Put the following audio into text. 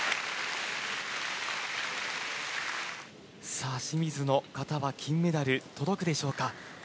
さあ、清水の形は金メダルに届くでしょうか。